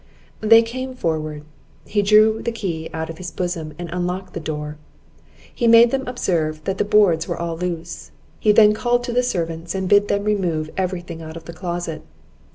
They came forward; he drew the key out of his bosom, and unlocked the door; he made them observe that the boards were all loose; he then called to the servants, and bid them remove every thing out of the closet.